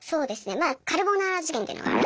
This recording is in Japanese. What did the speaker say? まあ「カルボナーラ事件」っていうのがあるんですけど。